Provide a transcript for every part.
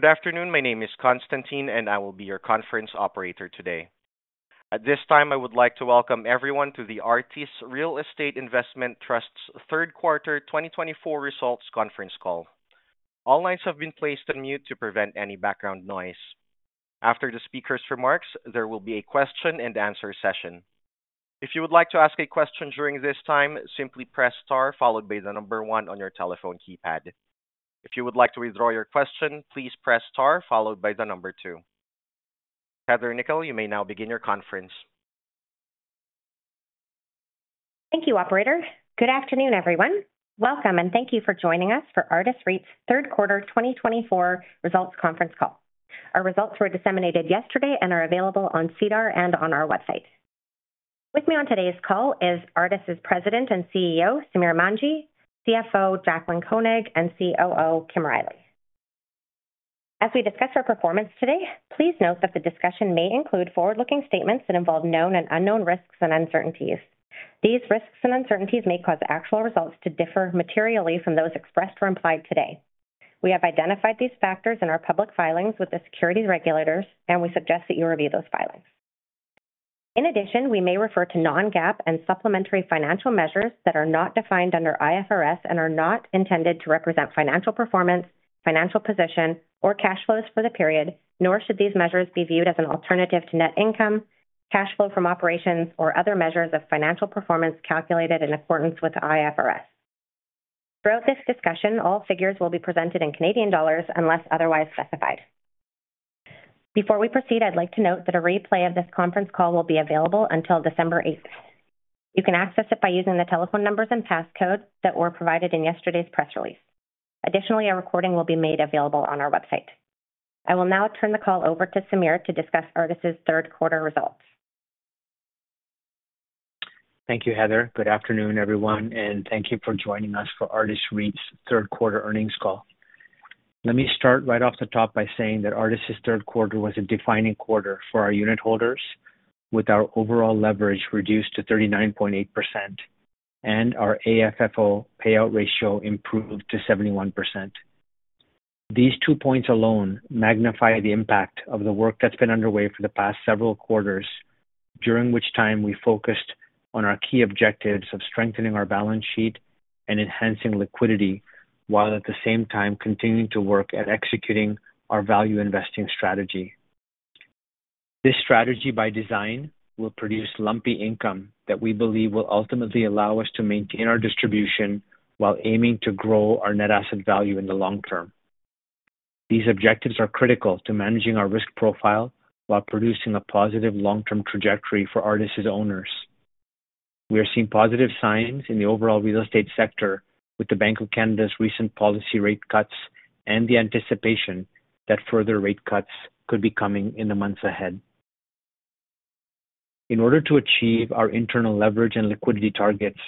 Good afternoon. My name is Konstantin, and I will be your conference operator today. At this time, I would like to welcome everyone to the Artis Real Estate Investment Trust's Q3 2024 Results Conference Call. All lines have been placed on mute to prevent any background noise. After the speaker's remarks, there will be a question-and-answer session. If you would like to ask a question during this time, simply press star followed by the number one on your telephone keypad. If you would like to withdraw your question, please press star followed by the number two. Heather Nikkel, you may now begin your conference. Thank you, Operator. Good afternoon, everyone. Welcome, and thank you for joining us for Artis REIT's Q3 2024 results conference call. Our results were disseminated yesterday and are available on SEDAR+ and on our website. With me on today's call is Artis's President and CEO, Samir Manji, CFO, Jaclyn Koenig, and COO, Kim Riley. As we discuss our performance today, please note that the discussion may include forward-looking statements that involve known and unknown risks and uncertainties. These risks and uncertainties may cause actual results to differ materially from those expressed or implied today. We have identified these factors in our public filings with the securities regulators, and we suggest that you review those filings. In addition, we may refer to Non-GAAP and supplementary financial measures that are not defined under IFRS and are not intended to represent financial performance, financial position, or cash flows for the period, nor should these measures be viewed as an alternative to net income, cash flow from operations, or other measures of financial performance calculated in accordance with IFRS. Throughout this discussion, all figures will be presented in Canadian dollars unless otherwise specified. Before we proceed, I'd like to note that a replay of this conference call will be available until December 8th. You can access it by using the telephone numbers and passcode that were provided in yesterday's press release. Additionally, a recording will be made available on our website. I will now turn the call over to Samir to discuss Artis's Q3 results. Thank you, Heather. Good afternoon, everyone, and thank you for joining us for Artis REIT's Q3 earnings call. Let me start right off the top by saying that Artis's Q3 was a defining quarter for our unit holders, with our overall leverage reduced to 39.8% and our AFFO payout ratio improved to 71%. These two points alone magnify the impact of the work that's been underway for the past several quarters, during which time we focused on our key objectives of strengthening our balance sheet and enhancing liquidity, while at the same time continuing to work at executing our value investing strategy. This strategy, by design, will produce lumpy income that we believe will ultimately allow us to maintain our distribution while aiming to grow our net asset value in the long term. These objectives are critical to managing our risk profile while producing a positive long-term trajectory for Artis's owners. We are seeing positive signs in the overall real estate sector with the Bank of Canada's recent policy rate cuts and the anticipation that further rate cuts could be coming in the months ahead. In order to achieve our internal leverage and liquidity targets,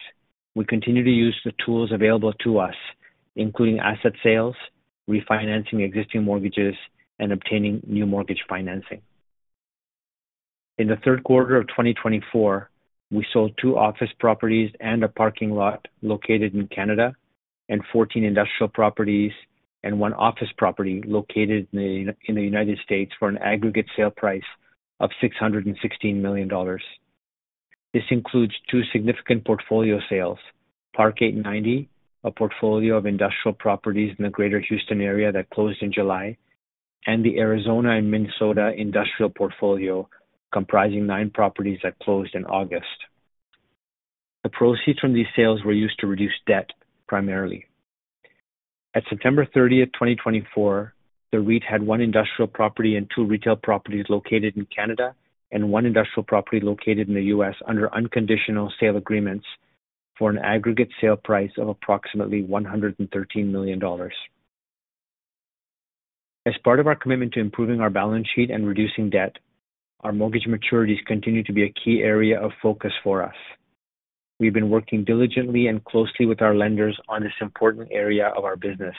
we continue to use the tools available to us, including asset sales, refinancing existing mortgages, and obtaining new mortgage financing. In the Q3 of 2024, we sold two office properties and a parking lot located in Canada, and 14 industrial properties and one office property located in the United States for an aggregate sale price of 616 million dollars. This includes two significant portfolio sales: Park 890, a portfolio of industrial properties in the Greater Houston area that closed in July, and the Arizona and Minnesota industrial portfolio comprising nine properties that closed in August. The proceeds from these sales were used to reduce debt primarily. At September 30th, 2024, the REIT had one industrial property and two retail properties located in Canada and one industrial property located in the U.S. under unconditional sale agreements for an aggregate sale price of approximately 113 million dollars. As part of our commitment to improving our balance sheet and reducing debt, our mortgage maturities continue to be a key area of focus for us. We've been working diligently and closely with our lenders on this important area of our business.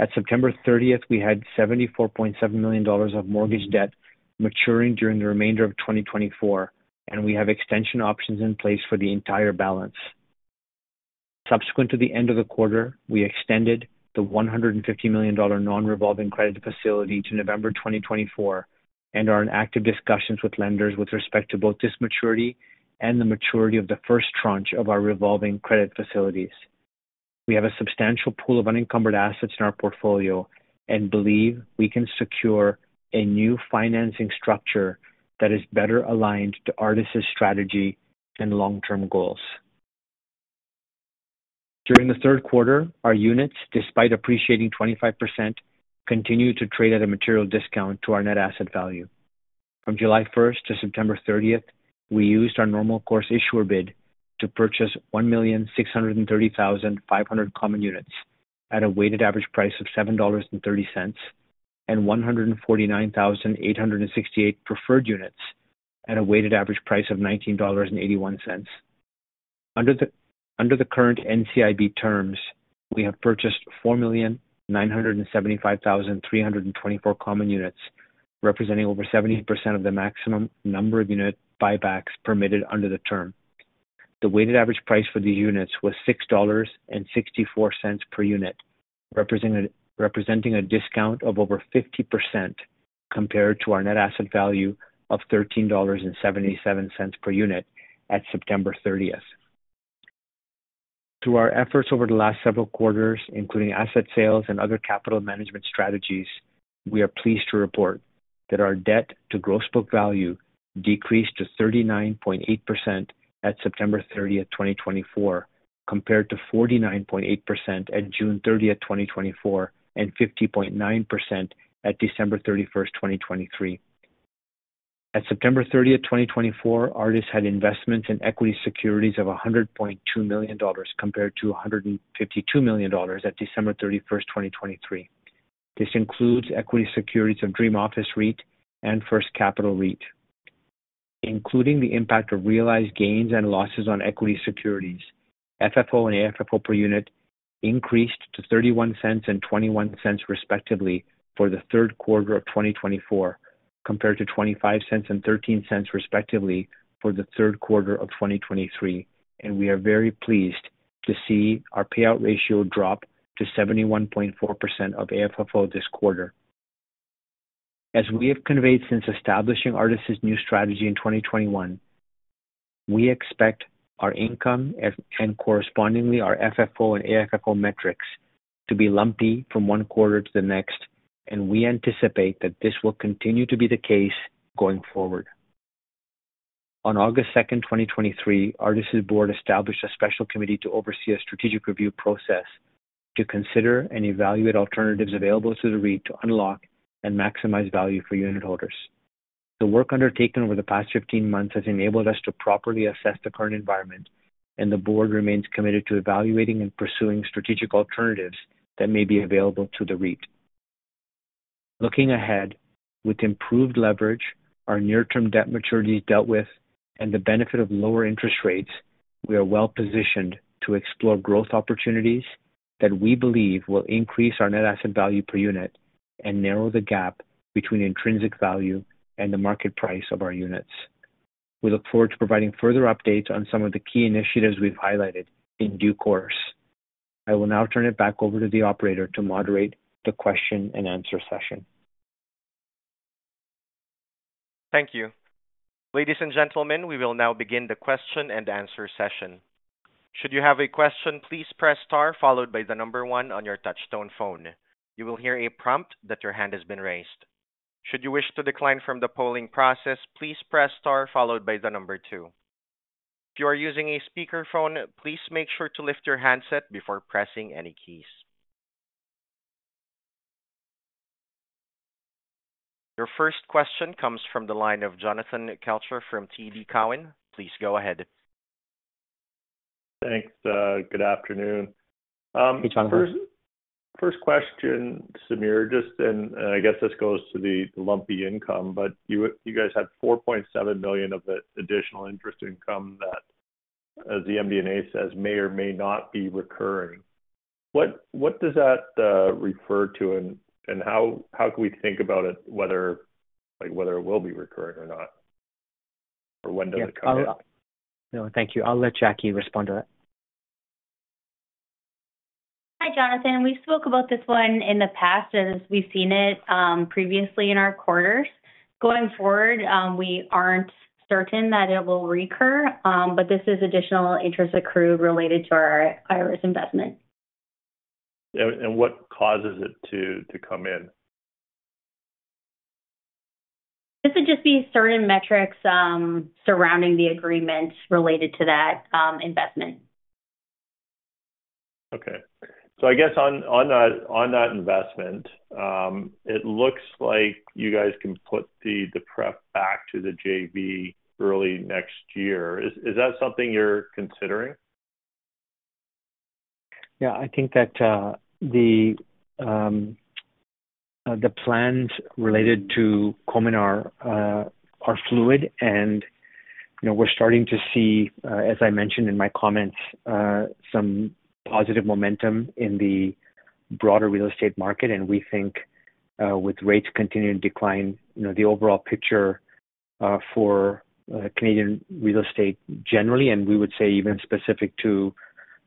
At September 30th, we had 74.7 million dollars of mortgage debt maturing during the remainder of 2024, and we have extension options in place for the entire balance. Subsequent to the end of the quarter, we extended the 150 million dollar non-revolving credit facility to November 2024 and are in active discussions with lenders with respect to both this maturity and the maturity of the first tranche of our revolving credit facilities. We have a substantial pool of unencumbered assets in our portfolio and believe we can secure a new financing structure that is better aligned to Artis's strategy and long-term goals. During the Q3, our units, despite appreciating 25%, continued to trade at a material discount to our net asset value. From July 1st to September 30th, we used our normal course issuer bid to purchase 1,630,500 common units at a weighted average price of 7.30 dollars and 149,868 preferred units at a weighted average price of 19.81 dollars. Under the current NCIB terms, we have purchased 4,975,324 common units, representing over 70% of the maximum number of unit buybacks permitted under the term. The weighted average price for these units was 6.64 dollars per unit, representing a discount of over 50% compared to our net asset value of 13.77 dollars per unit at September 30th. Through our efforts over the last several quarters, including asset sales and other capital management strategies, we are pleased to report that our debt to gross book value decreased to 39.8% at September 30th, 2024, compared to 49.8% at June 30th, 2024, and 50.9% at December 31st, 2023. At September 30th, 2024, Artis had investments in equity securities of 100.2 million dollars compared to 152 million dollars at December 31st, 2023. This includes equity securities of Dream Office REIT and First Capital REIT. Including the impact of realized gains and losses on equity securities, FFO and AFFO per unit increased to 0.31 and 0.21 respectively for the Q3 of 2024, compared to 0.25 and 0.13 respectively for the Q3 of 2023, and we are very pleased to see our payout ratio drop to 71.4% of AFFO this quarter. As we have conveyed since establishing Artis's new strategy in 2021, we expect our income and correspondingly our FFO and AFFO metrics to be lumpy from one quarter to the next, and we anticipate that this will continue to be the case going forward. On August 2nd, 2023, Artis's board established a special committee to oversee a strategic review process to consider and evaluate alternatives available to the REIT to unlock and maximize value for unit holders. The work undertaken over the past 15 months has enabled us to properly assess the current environment, and the board remains committed to evaluating and pursuing strategic alternatives that may be available to the REIT. Looking ahead, with improved leverage, our near-term debt maturities dealt with, and the benefit of lower interest rates, we are well positioned to explore growth opportunities that we believe will increase our net asset value per unit and narrow the gap between intrinsic value and the market price of our units. We look forward to providing further updates on some of the key initiatives we've highlighted in due course. I will now turn it back over to the Operator to moderate the question and answer session. Thank you. Ladies and gentlemen, we will now begin the question and answer session. Should you have a question, please press star followed by the number one on your touch-tone phone. You will hear a prompt that your hand has been raised. Should you wish to decline from the polling process, please press star followed by the number two. If you are using a speakerphone, please make sure to lift your handset before pressing any keys. Your first question comes from the line of Jonathan Kelcher from TD Cowen. Please go ahead. Thanks. Good afternoon. Hey, Jonathan. First question, Samir. Just, and I guess this goes to the lumpy income, but you guys had 4.7 million of the additional interest income that, as the MD&A says, may or may not be recurring. What does that refer to, and how can we think about it, whether it will be recurring or not? Or when does it come in? No, thank you. I'll let Jaclyn respond to that. Hi, Jonathan. We spoke about this one in the past, as we've seen it previously in our quarters. Going forward, we aren't certain that it will recur, but this is additional interest accrued related to our Iris investment. What causes it to come in? This would just be certain metrics surrounding the agreement related to that investment. Okay. So I guess on that investment, it looks like you guys can put the pref back to the JV early next year. Is that something you're considering? Yeah, I think that the plans related to Comin are fluid, and we're starting to see, as I mentioned in my comments, some positive momentum in the broader real estate market, and we think with rates continuing to decline, the overall picture for Canadian real estate generally, and we would say even specific to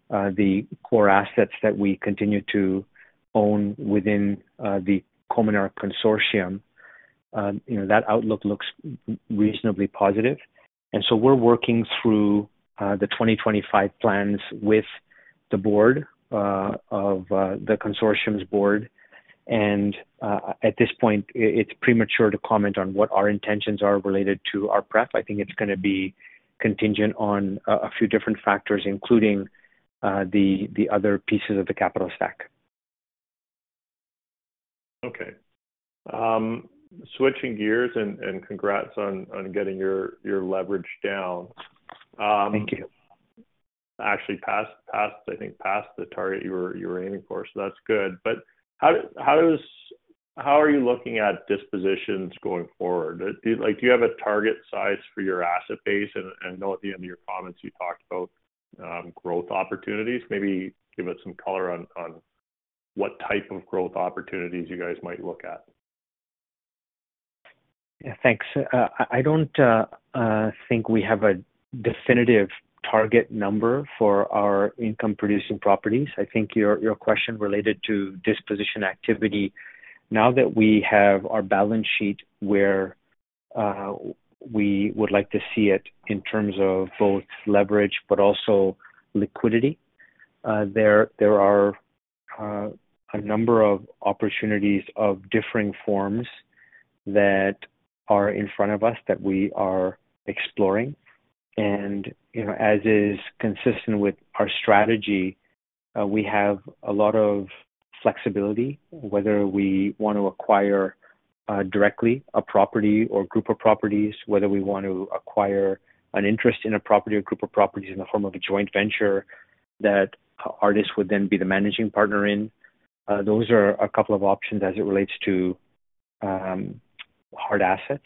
the core assets that we continue to own within the Cominar Consortium, that outlook looks reasonably positive, and so we're working through the 2025 plans with the board of the consortium's board, and at this point, it's premature to comment on what our intentions are related to our pref. I think it's going to be contingent on a few different factors, including the other pieces of the capital stack. Okay. Switching gears and congrats on getting your leverage down. Thank you. Actually passed, I think, past the target you were aiming for, so that's good, but how are you looking at dispositions going forward? Do you have a target size for your asset base? I know at the end of your comments you talked about growth opportunities. Maybe give us some color on what type of growth opportunities you guys might look at. Yeah, thanks. I don't think we have a definitive target number for our income-producing properties. I think your question related to disposition activity, now that we have our balance sheet where we would like to see it in terms of both leverage but also liquidity, there are a number of opportunities of differing forms that are in front of us that we are exploring. And as is consistent with our strategy, we have a lot of flexibility, whether we want to acquire directly a property or group of properties, whether we want to acquire an interest in a property or group of properties in the form of a joint venture that Artis would then be the managing partner in. Those are a couple of options as it relates to hard assets.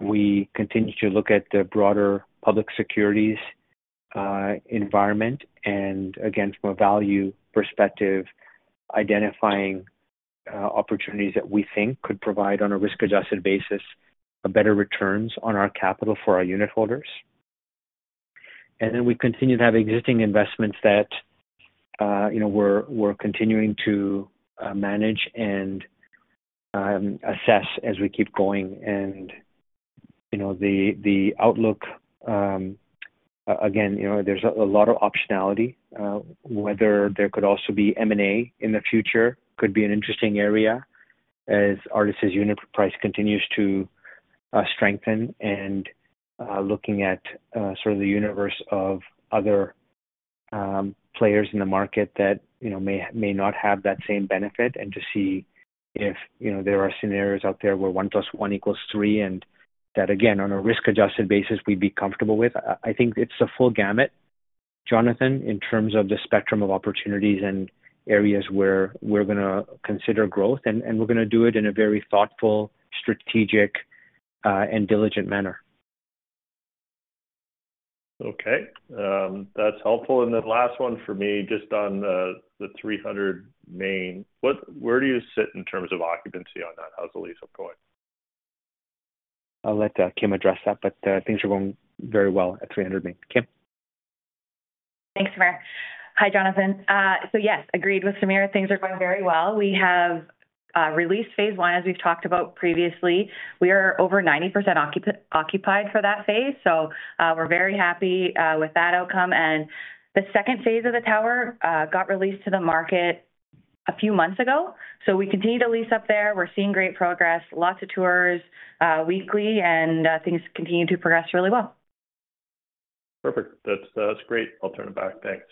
We continue to look at the broader public securities environment and, again, from a value perspective, identifying opportunities that we think could provide, on a risk-adjusted basis, better returns on our capital for our unit holders, and then we continue to have existing investments that we're continuing to manage and assess as we keep going, and the outlook, again, there's a lot of optionality, whether there could also be M&A in the future, could be an interesting area as Artis's unit price continues to strengthen and looking at sort of the universe of other players in the market that may not have that same benefit and to see if there are scenarios out there where 1 plus 1 equals 3 and that, again, on a risk-adjusted basis, we'd be comfortable with. I think it's a full gamut, Jonathan, in terms of the spectrum of opportunities and areas where we're going to consider growth, and we're going to do it in a very thoughtful, strategic, and diligent manner. Okay. That's helpful, and the last one for me, just on the 300 Main, where do you sit in terms of occupancy on that? How's the lease going? I'll let Kim address that, but things are going very well at 300 Main. Kim. Thanks, Samir. Hi, Jonathan. So yes, agreed with Samir. Things are going very well. We have released phase I, as we've talked about previously. We are over 90% occupied for that phase, so we're very happy with that outcome, and the phase II of the tower got released to the market a few months ago, so we continue to lease up there. We're seeing great progress, lots of tours weekly, and things continue to progress really well. Perfect. That's great. I'll turn it back. Thanks.